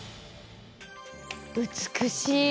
美しい。